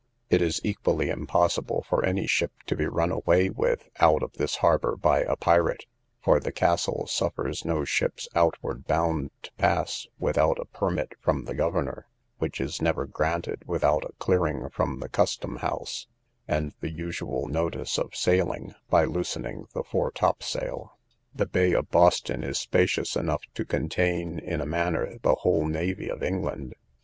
It is equally impossible for any ship to be run away with out of this harbour by a pirate; for the castle suffers no ships outward bound to pass, without a permit from the governor, which is never granted without a clearing from the custom house, and the usual notice of sailing, by loosening the fore top sail. The bay of Boston is spacious enough to contain, in a manner, the whole navy of England.